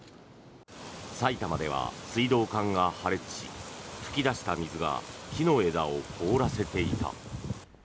埼玉では水道管が破裂し噴き出した水が木の枝を凍らせていた。